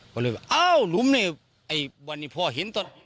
ก็เลยว่าอ้าวหลุมนี่ไอ้วันนี้พ่อเห็นตอน